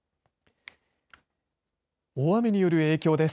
大雨による影響です。